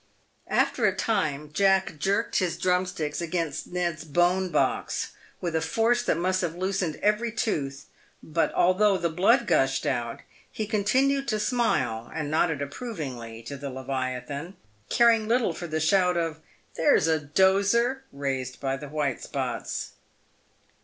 After a time, Jack jerked his drumsticks against Ned's " bonebox," with a force that must have loosened every tooth, but, although the blood gushed out, he continued to smile, and nodded approvingly to the leviathan, caring little for the shout of " There's a doser !" raised by the white spots.